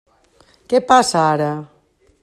Què passa ara?